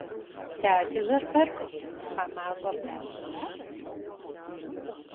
Дэ адыгэхэр а мащӏэм дащыщщ.